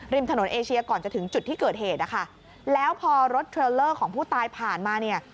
ถนนเอเชียก่อนจะถึงจุดที่เกิดเหตุนะคะแล้วพอรถเทรลเลอร์ของผู้ตายผ่านมาเนี่ย